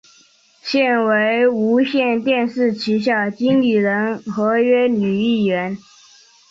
现为无线电视旗下经理人合约女艺员。